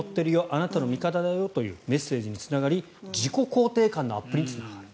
あなたの味方だよというメッセージにつながり自己肯定感のアップにつながる。